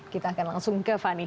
kita akan langsung ke fani